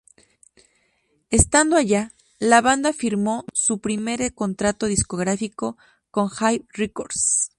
Estando allá, la banda firmó su primer contrato discográfico con Jive Records.